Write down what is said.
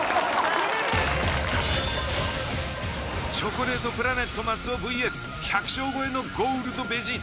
チョコレ―トプラネット松尾ｖｓ１００勝超えのゴールドベジータ。